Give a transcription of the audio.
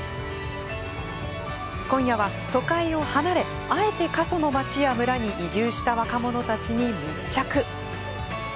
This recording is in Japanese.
今夜は、都会を離れあえて過疎の町や村に移住した若者たちに密着。